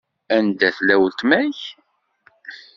Anda tella weltma-k?